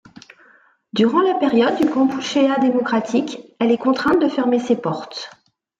Durant la période du Kampuchéa démocratique, elle est contrainte de fermer ses portes.